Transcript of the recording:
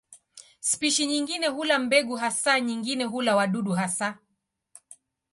Spishi nyingine hula mbegu hasa, nyingine hula wadudu hasa.